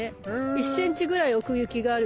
１センチぐらい奥行きがある。